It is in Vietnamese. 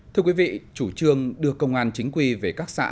thưa quý vị chủ trương đưa công an chính quy về các xã